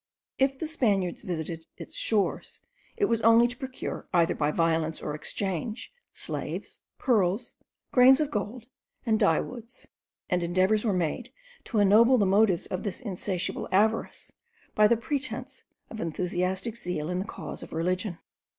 If the Spaniards visited its shores, it was only to procure, either by violence or exchange, slaves, pearls, grains of gold, and dye woods; and endeavours were made to ennoble the motives of this insatiable avarice by the pretence of enthusiastic zeal in the cause of religion.